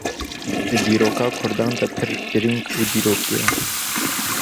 di dîroka Kurdan de pir girîng û dîrokî ye